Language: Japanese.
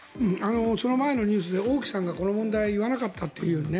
その前のニュースで王毅さんがこの問題を言わなかったという。